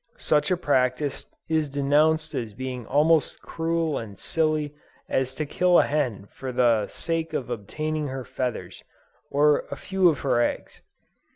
Such a practice is denounced as being almost as cruel and silly as to kill a hen for the sake of obtaining her feathers or a few of her eggs.